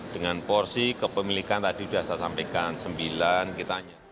dengan porsi kepemilikan tadi sudah saya sampaikan sembilan